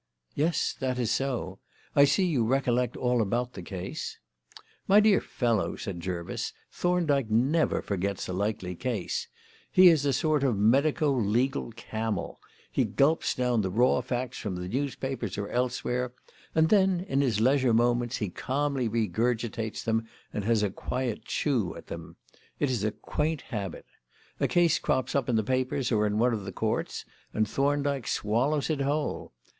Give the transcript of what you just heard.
"Yes, that is so. I see you recollect all about the case." "My dear fellow," said Jervis, "Thorndyke never forgets a likely case. He is a sort of medico legal camel. He gulps down the raw facts from the newspapers or elsewhere, and then, in his leisure moments, he calmly regurgitates them and has a quiet chew at them. It is a quaint habit. A case crops up in the papers or in one of the courts, and Thorndyke swallows it whole.